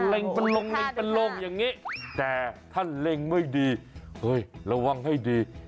เล็งเป็นลงเล็งเป็นลงอย่างนี้แต่ถ้าเล็งไม่ดีเฮ้ยระวังให้ดี